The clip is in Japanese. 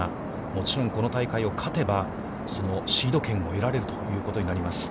もちろんこの大会を勝てば、そのシード権を得られるということになります。